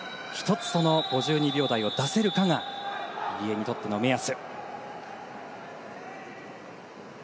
１つ、５２秒台を出せるかが入江にとっての目安。